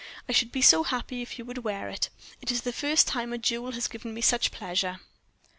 "I should be so happy if you would wear it it is the first time a jewel has given me such pleasure."